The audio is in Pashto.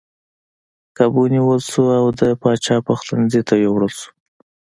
کب ونیول شو او د پاچا پخلنځي ته یووړل شو.